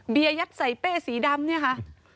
เบียร์ยัดใส่เป้สีดำดิวค่ะ